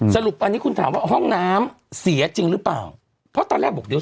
สรุปตอนนี้คุณถามว่าห้องน้ำเสียจริงหรือเปล่าเพราะตอนแรกบอกเดี๋ยว